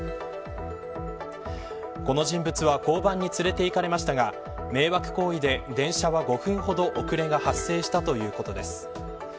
この人物は交番に連れて行かれましたが迷惑行為で電車は５分ほど遅れが発生したということです。